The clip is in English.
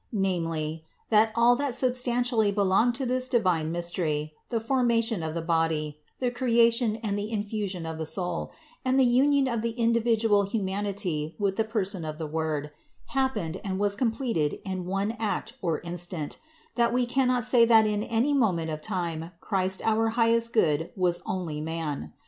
138), namely, that all that substantially belonged to this divine mystery, the formation of the body, the creation and the infusion of the soul, and the union of the individual humanity with the person of the Word, happened and was completed in one act or instant; so that we cannot say that in any moment of time Christ our highest Good was only man.